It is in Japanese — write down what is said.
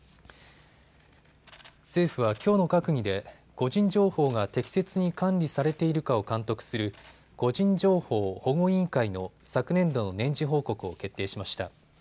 政府はきょうの閣議で個人情報が適切に管理されているかを監督する個人情報保護委員会の昨年度の年次報告を決定しました。